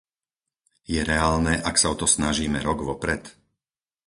Je reálne, ak sa o to snažíme rok vopred?